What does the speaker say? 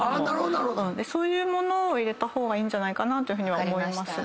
そういうものを入れた方がいいんじゃないかなというふうには思いますが。